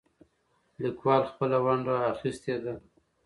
لیکوال خپله ونډه اخیستې ده.